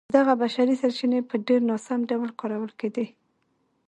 دغه بشري سرچینې په ډېر ناسم ډول کارول کېدې.